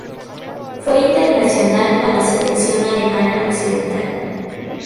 Fue internacional con la selección alemana occidental.